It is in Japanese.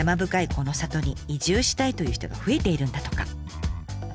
この里に移住したいという人が増えているんだとか。